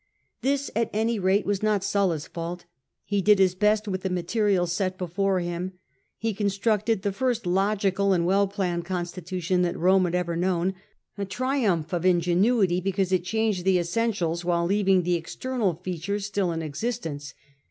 This, at any rate, was not Sulla's fault. He did his best with the materials set before him. He constructed the first logical and well planned constitution that Rome had ever known — a triumph of ingenuity, because it changed the essentials while leaving the external features still in existence.